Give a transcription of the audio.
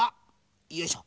よいしょ。